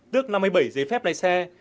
hai mươi bảy giấy phép đài xe